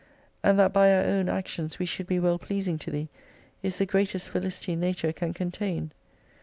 And that by our own actions we should be well pleasing to Thee, is the greatest Felicity Nature can contain.